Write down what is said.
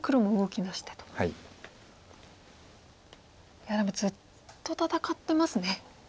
いやでもずっと戦ってますね。